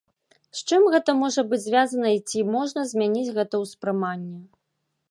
З чым гэта можа быць звязана і ці можна змяніць гэта ўспрыманне?